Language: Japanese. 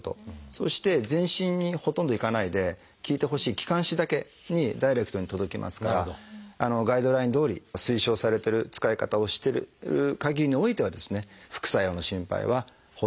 そして全身にほとんど行かないで効いてほしい気管支だけにダイレクトに届きますからあのガイドラインどおり推奨されてる使い方をしてるかぎりにおいてはですね副作用の心配はほとんどない。